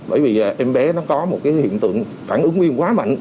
bởi vì em bé nó có một cái hiện tượng phản ứng viêm quá mạnh